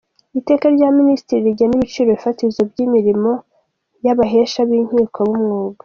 Iteka rya Minisitiri rigena ibiciro fatizo by’imirimo y’Abahesha b’Inkiko b’Umwuga;.